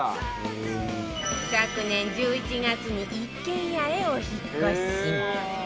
昨年１１月に一軒家へお引っ越し